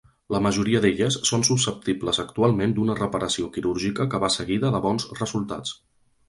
La majoria d'elles són susceptibles actualment d'una reparació quirúrgica que va seguida de bons resultats.